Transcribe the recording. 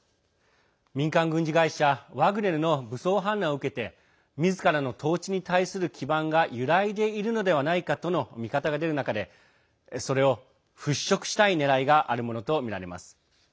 民間軍事会社ワグネルの武装反乱を受けてみずからの統治に対する基盤が揺らいでいるのではないかとの見方が出る中でそれを、ふっしょくしたいねらいがあるものとみられます。